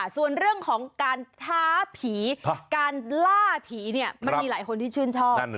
ส่วนเรื่องของการท้าผีการล่าผีเนี่ยมันมีหลายคนที่ชื่นชอบ